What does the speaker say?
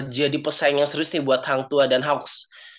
jadi pesaing yang serius nih buat hang tuah dan hawks